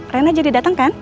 rena jadi datang kan